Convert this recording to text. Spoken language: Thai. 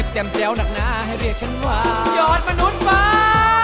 แจ้วหนักหนาให้เรียกฉันว่ายอดมนุษย์ฟ้า